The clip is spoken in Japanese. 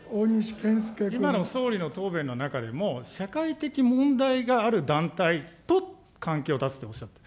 今の総理の答弁の中でも、社会的問題がある団体と関係を断つとおっしゃった。